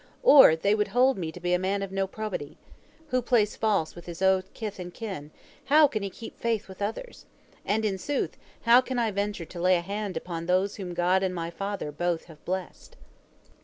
Or they would hold me to be a man of no probity. Who plays false with his own kith and kin, how can he keep faith with others? And, in sooth, how can I venture to lay hand upon those whom God and my father both have blessed?"